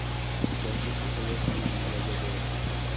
Brasil se quedó con la medalla de oro.